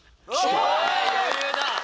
余裕だ。